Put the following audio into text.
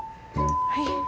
はい。